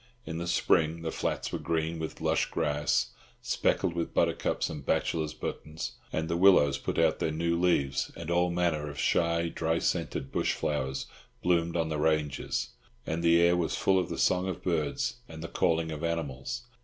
In the spring the flats were green with lush grass, speckled with buttercups and bachelors' buttons, and the willows put out their new leaves, and all manner of shy dry scented bush flowers bloomed on the ranges; and the air was full of the song of birds and the calling of animals.